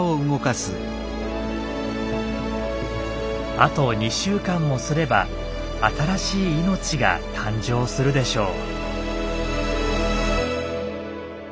あと２週間もすれば新しい命が誕生するでしょう。